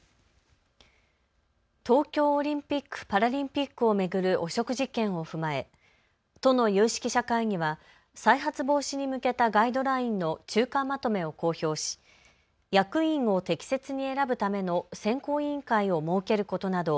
東京オリンピック・パラリンピックを巡る汚職事件を踏まえ都の有識者会議は再発防止に向けたガイドラインの中間まとめを公表し役員を適切に選ぶための選考委員会を設けることなどを